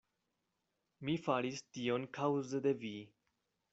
Mi faris tion kaŭze de vi.